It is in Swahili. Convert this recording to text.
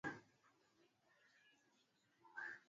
Mbu hubeba virusi kutoka kwa mnyama mmoja kwenda mnyama mwingine